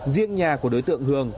riêng nhà của đối tượng hường